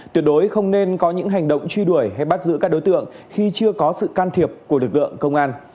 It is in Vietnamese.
tuyệt đối không nên có những hành động truy đuổi hay bắt giữ các đối tượng khi chưa có sự can thiệp của lực lượng công an